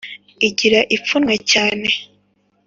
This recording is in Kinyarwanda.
igira ipfunwe cyane